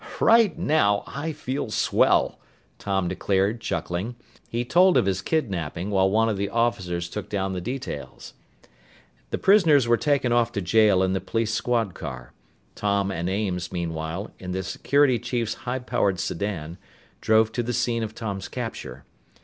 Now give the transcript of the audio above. "Right now I feel swell!" Tom declared, chuckling. He told of his kidnaping, while one of the officers took down the details. The prisoners were taken off to jail in the police squad car. Tom and Ames, meanwhile, in the security chief's high powered sedan, drove to the scene of Tom's capture.